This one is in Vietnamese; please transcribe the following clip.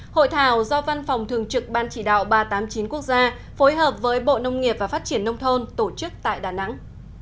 hội thảo do văn phòng thường trực ban chỉ đạo ba trăm tám mươi chín quốc gia phối hợp với bộ nông nghiệp và phát triển nông thôn tổ chức tại đà nẵng